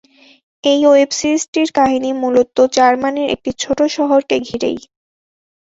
এই ওয়েব সিরিজটির কাহিনী মূলত জার্মানির একটি ছোট শহরকে ঘিরেই গড়ে উঠে।